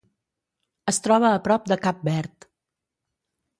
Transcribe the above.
Es troba a prop de Cap Verd.